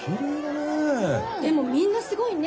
でもみんなすごいね。